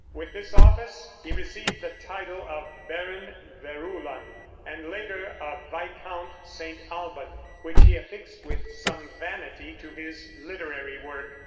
With this office he received the title of Baron Verulam, and later of Viscount St. Alban, which he affixed with some vanity to his literary work.